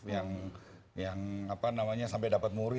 yang sampai dapat muri